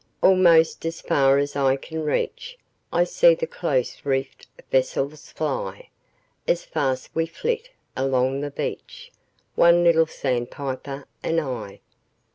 Almost as far as eye can reach I see the close reefed vessels fly, As fast we flit along the beach, One little sandpiper and I.